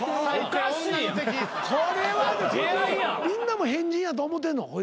みんなも変人やと思ってんの？